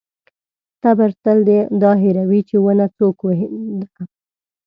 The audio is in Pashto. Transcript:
تبر تل دا هېروي چې ونه څوک ده.